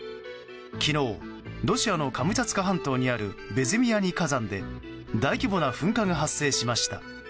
昨日、ロシアのカムチャツカ半島にあるベズィミアニィ火山で大規模な噴火が発生しました。